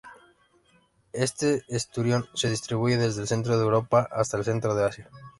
Este esturión se distribuye desde el centro de Europa hasta el centro de Asia.